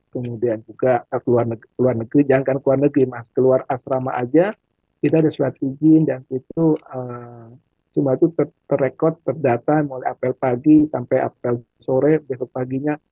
kemudian juga keluar negeri jangan keluar negeri keluar asrama saja kita ada surat izin dan itu cuma itu terdata mulai april pagi sampai april sore besok paginya